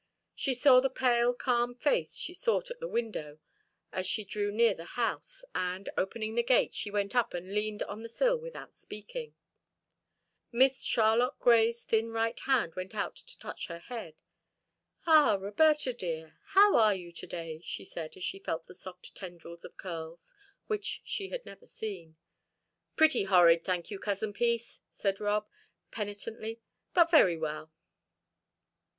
She saw the pale, calm face she sought at the window as she drew near the house, and, opening the gate, she went up and leaned on the sill without speaking. Miss Charlotte Grey's thin right hand went out to touch her head. "Ah, Roberta dear, how are you to day?" she said, as she felt the soft tendrils of curls which she had never seen. "Pretty horrid, thank you, Cousin Peace," said Rob, penitently, "but very well."